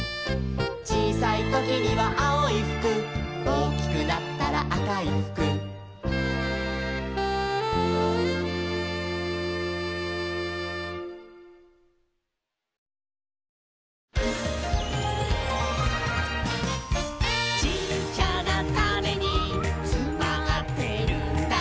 「ちいさいときにはあおいふく」「おおきくなったらあかいふく」「ちっちゃなタネにつまってるんだ」